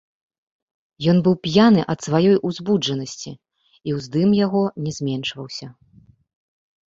Ён быў п'яны ад сваёй узбуджанасці, і ўздым яго не зменшваўся.